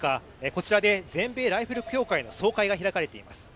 こちらで全米ライフル協会の総会が開かれています。